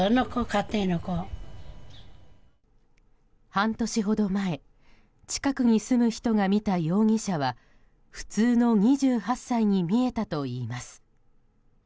半年ほど前近くに住む人が見た容疑者は普通の２８歳に見えたといいます。